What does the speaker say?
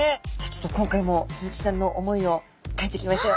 今回もスズキちゃんの思いをかいてきましたよ。